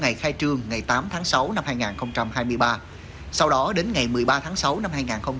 ngày khai trương ngày tám tháng sáu năm hai nghìn hai mươi ba sau đó đến ngày một mươi ba tháng sáu năm hai nghìn hai mươi bốn